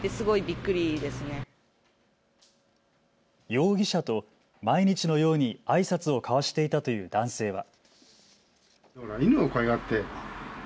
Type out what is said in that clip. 容疑者と毎日のようにあいさつを交わしていたという男性は。